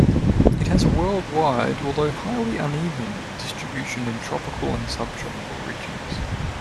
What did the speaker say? It has a worldwide, although highly uneven, distribution in tropical and subtropical regions.